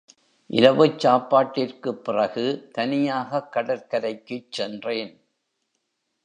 இரவுச் சாப்பாட்டிற்குப் பிறகு தனியாகக் கடற்கரைக்குச் சென்றேன்.